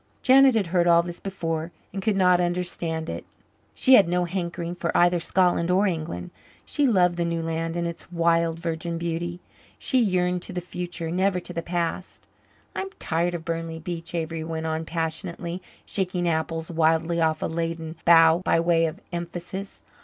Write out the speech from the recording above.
Janet had heard all this before and could not understand it. She had no hankering for either Scotland or England. She loved the new land and its wild, virgin beauty. She yearned to the future, never to the past. "I'm tired of Burnley Beach," Avery went on passionately, shaking apples wildly off a laden bough by way of emphasis.